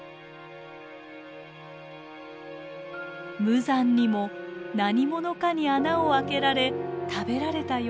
無残にも何者かに穴を開けられ食べられたようです。